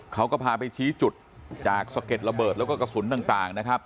เขาก็พาไปชี้จุดจากสะเก็ดระเบิดแล้วก็กระสุนต่างนะครับ